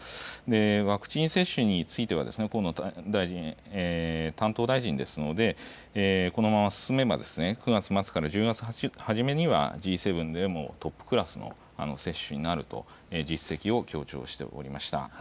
ワクチン接種については河野大臣、担当大臣ですのでこのまま進めば９月から１０月までにはＧ７でもトップクラスの接種になると、実績を強調しておりました。